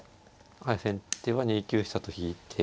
先手は２九飛車と引いて。